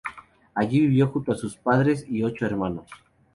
Allí vivió junto a sus padres y ocho hermanos.